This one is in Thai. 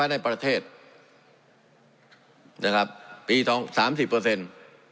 ในประเทศนะครับปีสองสามสิบเปอร์เซ็นต์